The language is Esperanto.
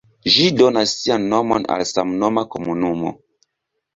Ĝi donas sian nomon al samnoma komunumo.